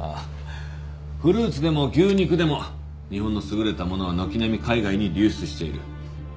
ああフルーツでも牛肉でも日本の優れたものは軒並み海外に流出している。